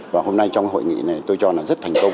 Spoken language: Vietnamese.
và hôm nay trong hội nghị này tôi cho là rất thành công